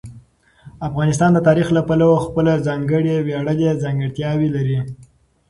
افغانستان د تاریخ له پلوه خپله ځانګړې ویاړلې ځانګړتیاوې لري.